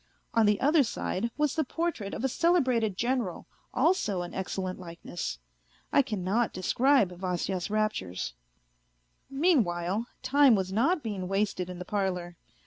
On the other side was the portrait of a celebrated General, also an excellent likeness. I cannot describe Vasya's raptures. Mean while, time was not being wasted in the parlour.